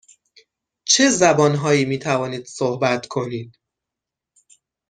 چه زبان هایی می توانید صحبت کنید؟